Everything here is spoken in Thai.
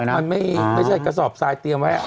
เพราะว่าไม่ใช่กระสอบทรายเตรียมไว้